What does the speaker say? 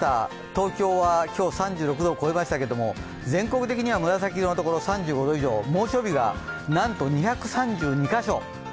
東京は今日３６度を超えましたけど全国的には紫色のところ３５度以上、猛暑日がなんと２３２か所！